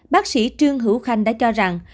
bác sĩ trương hữu khanh đã cho rằng